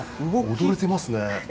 踊れてますね。